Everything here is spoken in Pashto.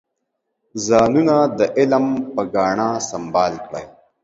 ځانونه د علم په ګاڼه سنبال کړئ.